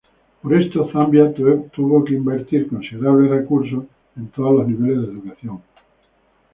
Por esto, Zambia tuve que invertir considerables recursos en todos los niveles de educación.